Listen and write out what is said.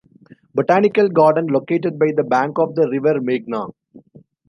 Botanical Garden located by the bank of the river Meghna.